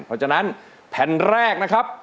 เพราะฉะนั้นแผ่นแรกนะครับ